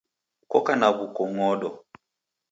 Koka na w'ukong'odo.